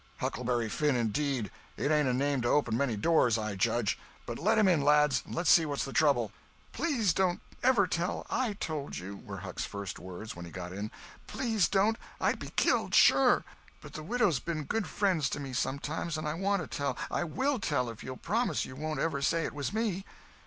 "Huckleberry Finn, indeed! It ain't a name to open many doors, I judge! But let him in, lads, and let's see what's the trouble." "Please don't ever tell I told you," were Huck's first words when he got in. "Please don't—I'd be killed, sure—but the widow's been good friends to me sometimes, and I want to tell—I will tell if you'll promise you won't ever say it was me."